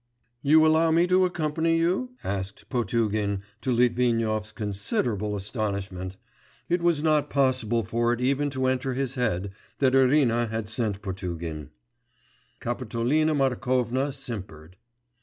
'You allow me to accompany you?' asked Potugin, to Litvinov's considerable astonishment; it was not possible for it even to enter his head that Irina had sent Potugin. Kapitolina Markovna simpered.